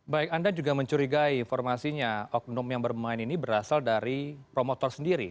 baik anda juga mencurigai informasinya oknum yang bermain ini berasal dari promotor sendiri